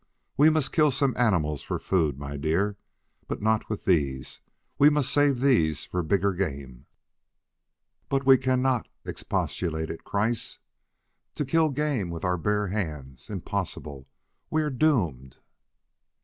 We must kill some animals for food, my dear, but not with these; we must save these for bigger game." "But we cannot!" expostulated Kreiss. "To kill game with our bare hands impossible! We are doomed!"